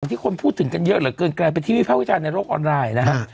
ที่คนพูดถึงกันเยอะเหลือเกินไกลเป็นทีวีแพลวิชาในโลกออนไลน์นะฮะ